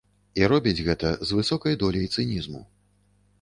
І робіць гэта з высокай доляй цынізму.